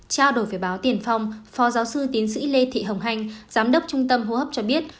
trao đổi về báo tiền phong phó giáo sư tín sĩ lê thị hồng hanh giám đốc trung tâm hô hấp cho biết